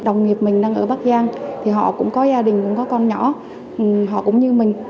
đồng nghiệp mình đang ở bắc giang thì họ cũng có gia đình cũng có con nhỏ họ cũng như mình